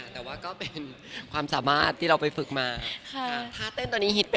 แต่ว่าก็เป็นความสามารถที่เราไปฝึกมา